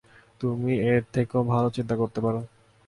তুমি এর থেকেও ভালো চিন্তা করতে পারো।